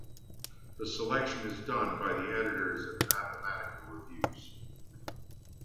The selection is done by the editors of "Mathematical Reviews".